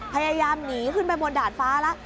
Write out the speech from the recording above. พยายามหนีขึ้นไปบนดาดฟ้าแล้ว